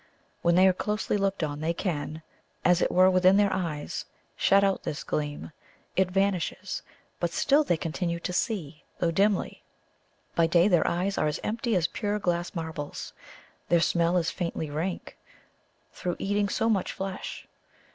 When they are closely looked on, they can, as it were within their eyes, shut out this gleam it vanishes; but still they continue to see, though dimly. By day their eyes are as empty as pure glass marbles. Their smell is faintly rank, through eating so much flesh.